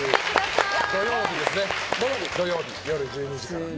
土曜日夜１２時からですね。